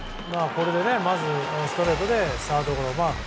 これでまずストレートでサードゴロ。